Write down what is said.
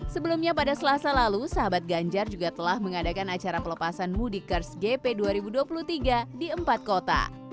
sebelumnya pada selasa lalu sahabat ganjar juga telah mengadakan acara pelepasan mudikers gp dua ribu dua puluh tiga di empat kota